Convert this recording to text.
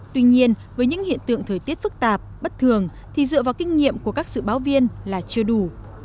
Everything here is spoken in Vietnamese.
tuy nhiên với những hiện tượng thời tiết phức tạp bất thường thì dựa vào kinh nghiệm của các dự báo viên là chưa đủ